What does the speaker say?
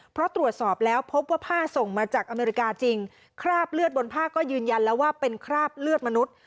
เพราะตรวจสอบแล้วพบว่าผ้าส่งมาจากอเมริกาจริงคราบเลือดบนผ้าก็ยืนยันแล้วว่าเป็นคราบเลือดมนุษย์